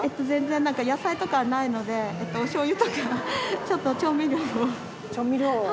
全然野菜とかないのでおしょうゆとかちょっと調味料を。